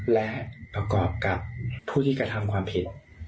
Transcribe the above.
และประกอบกับผู้ที่กระทำความผิด